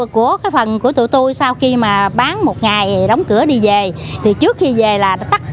của cái phần của tụi tôi sau khi mà bán một ngày đóng cửa đi về thì trước khi về là nó tắt